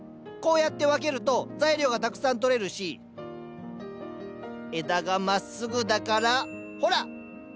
こうやって分けると材料がたくさん取れるし枝がまっすぐだからほら！